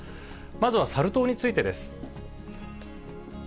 まずはサル痘についてです。